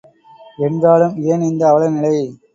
என்றாலும், ஏன் இந்த அவல நிலை?